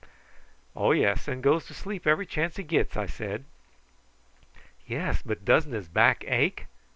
"Oh yes; and goes to sleep every time he gets a chance," I said. "Yes! but don't his back ache?